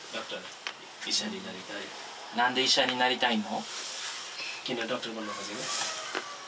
何で医者になりたいの？